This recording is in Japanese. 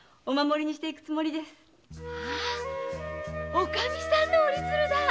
おかみさんの折り鶴だ！